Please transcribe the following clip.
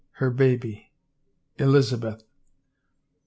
Her baby, Elizabeth!